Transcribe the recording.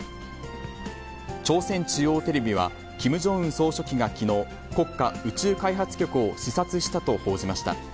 朝鮮中央テレビは、キム・ジョンウン総書記がきのう、国家宇宙開発局を視察したと報じました。